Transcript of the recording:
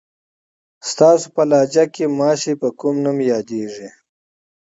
ستاسو په لهجه کې ماشې په کوم نوم یادېږي؟